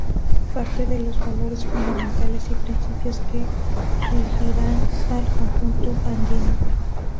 Parte de los valores fundamentales y principios que regirán al conjunto andino.